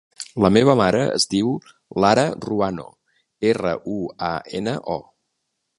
La meva mare es diu Lara Ruano: erra, u, a, ena, o.